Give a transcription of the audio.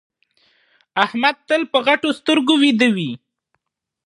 احمد تل په غټو سترګو ويده وي.